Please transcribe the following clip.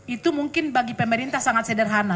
itu mungkin bagi pemerintah sangat sederhana